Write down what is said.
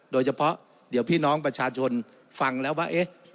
โดยเฉพาะเดี๋ยวพี่น้องประชาชนฟังแล้วว่าเอ๊ะ